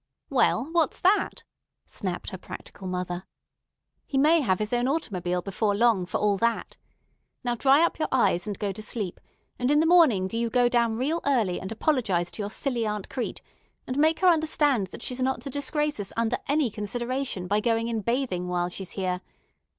"Well, what's that?" snapped her practical mother. "He may have his own automobile before long, for all that. Now dry up your eyes, and go to sleep; and in the morning do you go down real early, and apologize to your silly Aunt Crete, and make her understand that she's not to disgrace us under any consideration by going in bathing while she's here.